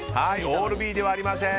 オールＢではありません。